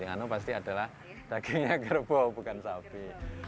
dengan itu pasti adalah dagingnya gerbau bukan sapi